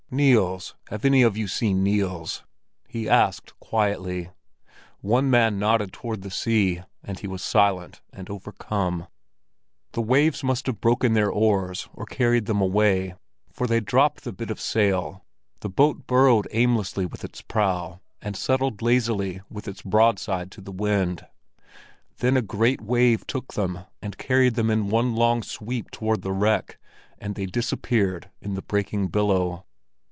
"Niels—have any of you seen Niels?" he asked quietly. One man nodded toward the sea, and he was silent and overcome. The waves must have broken their oars or carried them away, for they dropped the bit of sail, the boat burrowed aimlessly with its prow, and settled down lazily with its broadside to the wind. Then a great wave took them and carried them in one long sweep toward the wreck, and they disappeared in the breaking billow.